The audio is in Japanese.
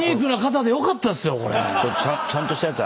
ちゃんとしたやつ。